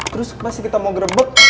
terus pasti kita mau grebek